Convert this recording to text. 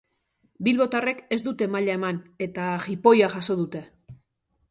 Bilbotarrek ez dute maila eman eta jipoia jaso dute.